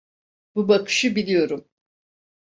Bu bakışı biliyorum.